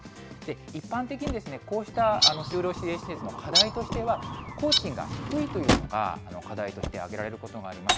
一般的にこうした就労支援施設の課題としては、工賃が低いというのが課題として挙げられることがあります。